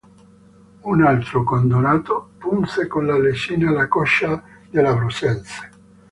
Un altro condannato punse con la lesina la coscia dell'abruzzese.